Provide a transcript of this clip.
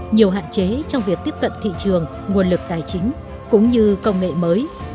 nhiều hạn chế trong việc tiếp cận thị trường nguồn lực tài chính cũng như công nghệ mới